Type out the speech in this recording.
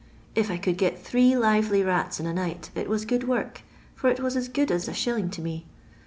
If I could get three lively rats in a night, it was good work, for it vras as good as Is. to me.